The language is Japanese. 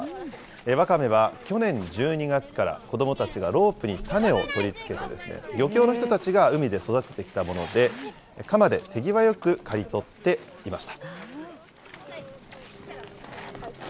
わかめは去年１２月から、子どもたちがロープに種を取り付けて、漁協の人たちが海で育ててきたもので、鎌で手際よく刈り取っていました。